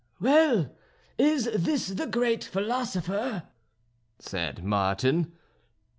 "Well! is this the great philosopher?" said Martin.